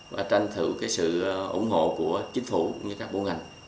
và tranh thủ cái sự ủng hộ của chính phủ như các bộ ngành